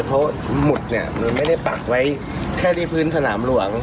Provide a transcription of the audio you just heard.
เพราะหมุดเนี่ยมันไม่ได้ปักไว้แค่ที่พื้นสนามหลวง